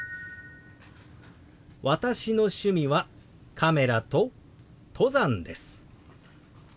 「私の趣味はカメラと登山です」。